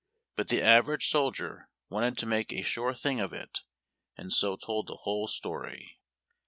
But the average soldier wanted to make a sure thing of it, and so told the whole story.